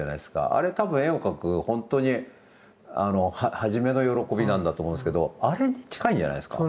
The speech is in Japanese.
あれ多分絵を描くほんとにはじめの喜びなんだと思うんですけどあれに近いんじゃないですか。